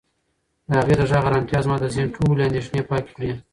د هغې د غږ ارامتیا زما د ذهن ټولې اندېښنې پاکې کړې.